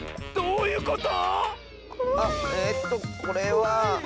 どういうこと⁉あっえとこれは。